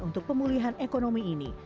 untuk pemulihan ekonomi ini